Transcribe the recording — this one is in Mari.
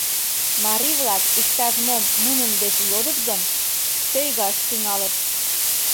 Марий-влак иктаж-мом нунын деч йодыт гын, сӧйгаш тӱҥалыт: